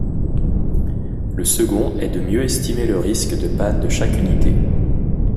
Le second est de mieux estimer le risque de panne de chaque unité.